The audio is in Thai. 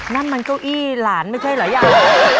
นั่นมันเก้าอี้หลานไม่ใช่เหรอยาย